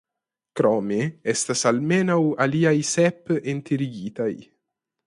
Krome estas almenaŭ aliaj sep enterigitaj.